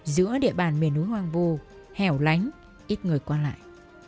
giữa địa bàn miền núi hoàng vô hẻo lánh ít người qua lại